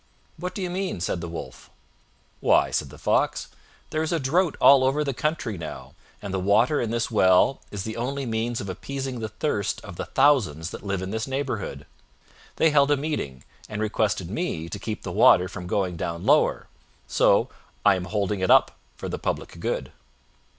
"What do you mean?" said the Wolf. "Why," said the Fox, "there is a drought all over the country now, and the water in this well is the only means of appeasing the thirst of the thousands that live in this neighborhood. They held a meeting, and requested me to keep the water from going down lower; so I am holding it up for the public good."